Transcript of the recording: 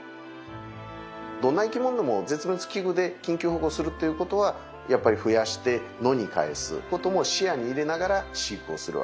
どんな生き物でも絶滅危惧で緊急保護するっていうことはやっぱり増やして野に帰すことも視野に入れながら飼育をするわけで。